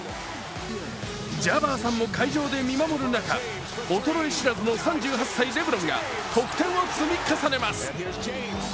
ジャバーさんも会場で見守る中、衰え知らずの３８歳レブロンが得点を積み重ねます。